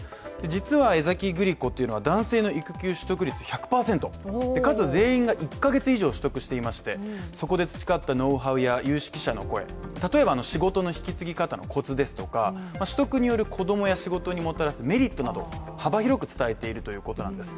実は江崎グリコというのは男性の育休取得率１００％かつ全員が１カ月以上取得していましてそこで培ったノウハウや有識者の声、例えば仕事の引き継ぎ方のコツですとか取得による子供や仕事にもたらすメリットなど幅広く伝えているということなんです。